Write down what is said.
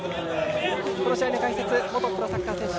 この試合の解説元プロサッカー選手